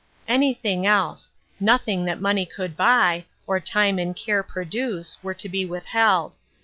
Anything else ; nothing that money could buy, or time and care produce, were to be withheld.